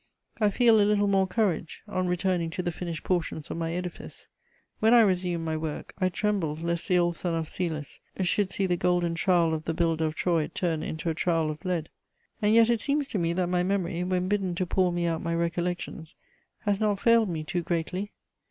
I feel a little more courage on returning to the finished portions of my edifice. When I resumed my work, I trembled lest the old son of Cœlus should see the golden trowel of the builder of Troy turn into a trowel of lead. And yet it seems to me that my memory, when bidden to pour me out my recollections, has not failed me too greatly.